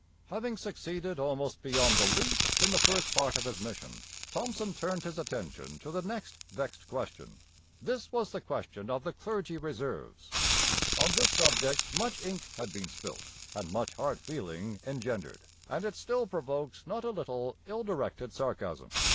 Having succeeded almost beyond belief in the first part of his mission, Thomson turned his attention to the next vexed question. This was the question of the Clergy Reserves. On this subject much ink had been spilt and much hard feeling engendered; and it still provokes not a little ill directed sarcasm.